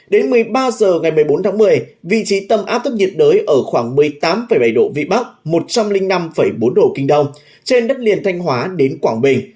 đến một mươi ba giờ ngày một mươi bốn tháng một mươi vị trí tâm áp thấp nhiệt đới ở khoảng một mươi tám bảy độ vn một trăm linh năm bốn độ vn trên đất liền thanh hóa đến quảng bình